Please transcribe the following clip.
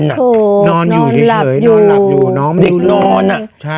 นอนอยู่เฉยนอนหลับอยู่เด็กนอน